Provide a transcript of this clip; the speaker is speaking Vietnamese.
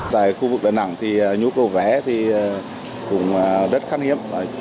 tại khu vực đà nẵng thì nhu cầu vé thì cũng rất khát hiếm